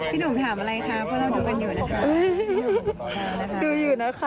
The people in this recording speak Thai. พี่หนุ่มถามอะไรคะเพราะว่าเราดูกันอยู่นะคะ